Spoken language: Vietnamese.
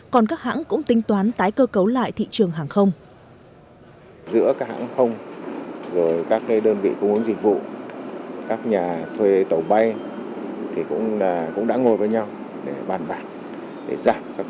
còn các hãng cũng tính toán tái cơ cấu lại thị trường hàng không